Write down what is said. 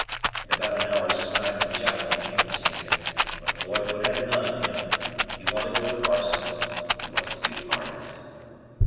In about an hour's time, the Chaplain came to see him, but Lloyd would have none of him. He wanted no parson; he was to be pardoned.